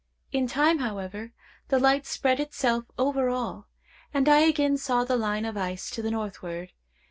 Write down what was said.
In time, however, the light spread itself over all, and I again saw the line of ice to the northward.